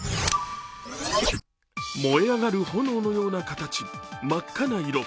燃え上がる炎のような形、真っ赤な色。